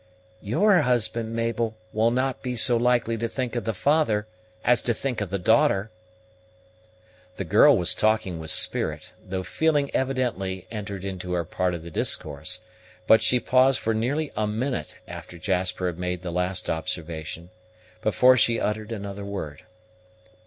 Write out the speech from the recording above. "Your husband, Mabel, will not be so likely to think of the father as to think of the daughter." The girl was talking with spirit, though feeling evidently entered into her part of the discourse; but she paused for nearly a minute after Jasper had made the last observation before she uttered another word.